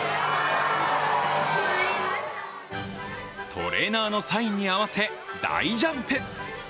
トレーナーのサインに合わせ大ジャンプ。